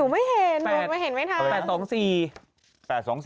หนูไม่เห็นหนูไม่เห็นไหมท่าน